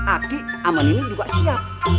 aki sama nini juga siap